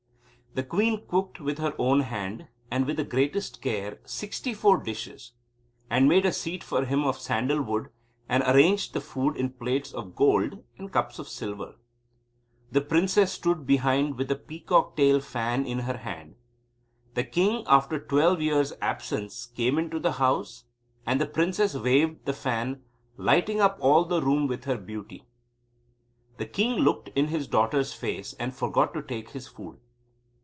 The queen cooked with her own hand, and with the greatest care, sixty four dishes, and made a seat for him of sandal wood, and arranged the food in plates of gold and cups of silver. The princess stood behind with the peacock tail fan in her hand. The king, after twelve years' absence, came into the house, and the princess waved the fan, lighting up all the room with her beauty. The king looked in his daughter's face, and forgot to take his food.